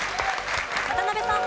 渡辺さん。